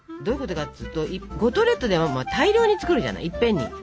どういうことかっていうと五島列島では大量に作るじゃないいっぺんに。